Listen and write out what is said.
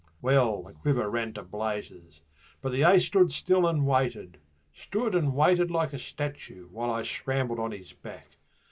Well, the Quiver ran to blazes, but the Ace stood still and waited, Stood and waited like a statue while I scrambled on his back.